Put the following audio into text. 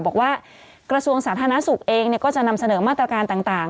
กระทรวงสาธารณสุขเองก็จะนำเสนอมาตรการต่าง